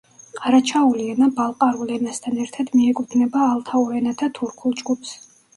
ყარაჩაული ენა ბალყარულ ენასთან ერთად მიეკუთვნება ალთაურ ენათა თურქულ ჯგუფს.